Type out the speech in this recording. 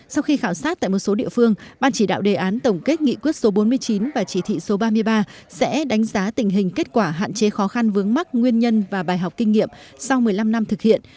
sau khi khảo sát tại một số địa phương ban chỉ đạo đề án tổng kết nghị quyết số bốn mươi chín và chỉ thị số ba mươi ba sẽ đánh giá tình hình kết quả hạn chế khó khăn vướng mắt nguyên nhân và bài học kinh nghiệm sau một mươi năm năm thực hiện